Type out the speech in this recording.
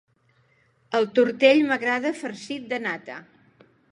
El tortell m'agrada farcit de nata.